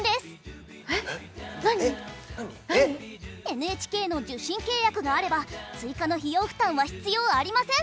ＮＨＫの受信契約があれば追加の費用負担は必要ありません。